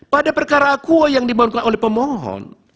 pada perkara akuo yang dimaukan oleh pemohon